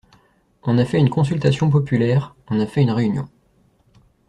On a fait une consultation populaire, on a fait une réunion.